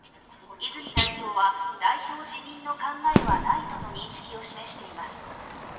泉代表は代表辞任の考えはないとの認識を示しています。